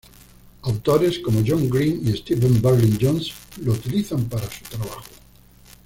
Autores como John Green y Steven Berlin Johnson lo utilizan para su trabajo.